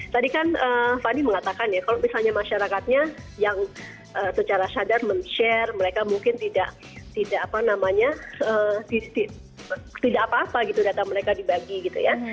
tadi kan fadi mengatakan ya kalau misalnya masyarakatnya yang secara sadar men share mereka mungkin tidak apa apa gitu data mereka dibagi gitu ya